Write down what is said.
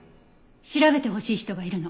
調べてほしい人がいるの。